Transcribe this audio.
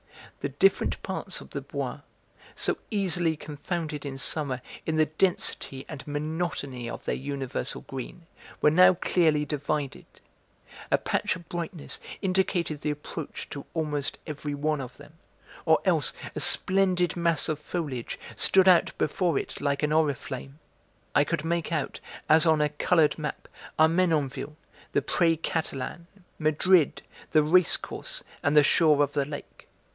The different parts of the Bois, so easily confounded in summer in the density and monotony of their universal green, were now clearly divided. A patch of brightness indicated the approach to almost every one of them, or else a splendid mass of foliage stood out before it like an oriflamme. I could make out, as on a coloured map, Armenonville, the Pré Catalan, Madrid, the Race Course and the shore of the lake.